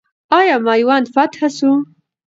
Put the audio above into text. آیا میوند فتح سو؟